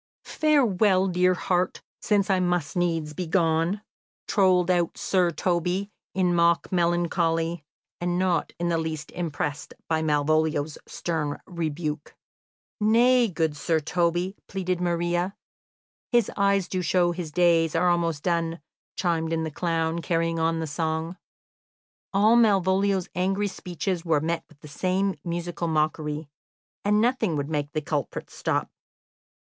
"Farewell, dear heart, since I must needs be gone!" trolled out Sir Toby, in mock melancholy, and not in the least impressed by Malvolio's stern rebuke. [Illustration: "Farewell, dear heart, since I must needs be gone!"] "Nay, good Sir Toby," pleaded Maria. "'His eyes do show his days are almost done,'" chimed in the clown, carrying on the song. All Malvolio's angry speeches were met with the same musical mockery, and nothing would make the culprits stop.